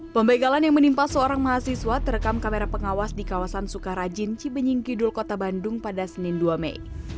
pembegalan yang menimpa seorang mahasiswa terekam kamera pengawas di kawasan sukarajin cibenyingkidul kota bandung pada senin dua mei